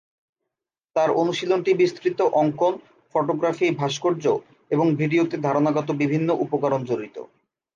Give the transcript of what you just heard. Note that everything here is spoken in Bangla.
তার অনুশীলনটি বিস্তৃত অঙ্কন, ফটোগ্রাফি, ভাস্কর্য এবং ভিডিওতে ধারণাগত বিভিন্ন উপকরণ জড়িত।